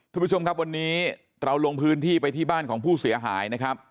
ทุกผู้ชมครับวันนี้เราลงพื้นที่ไปที่บ้านของผู้เสียหายนะครับ